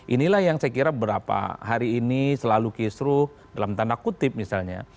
inilah yang saya kira beberapa hari ini selalu kisruh dalam tanda kutip misalnya